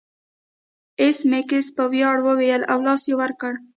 ایس میکس په ویاړ وویل او لاس یې ور کړ